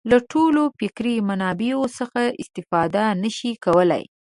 له ټولو فکري منابعو څخه استفاده نه شي کولای.